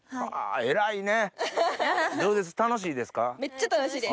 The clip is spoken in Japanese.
偉いね！